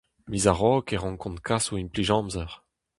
Miz a-raok e rankont kas o implij-amzer.